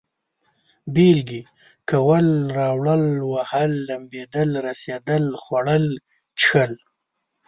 بېلگې: کول، راوړل، وهل، لمبېدل، رسېدل، خوړل، څښل